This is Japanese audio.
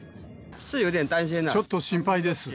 ちょっと心配です。